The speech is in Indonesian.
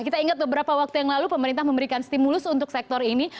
kita ingat beberapa waktu yang lalu pemerintah memberikan stimulus untuk sektor ini